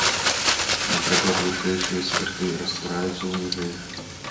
Напрыклад вышэйшыя спірты раствараюцца ў ніжэйшых.